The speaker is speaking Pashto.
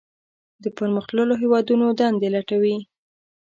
د پرمختللو هیوادونو دندې لټوي.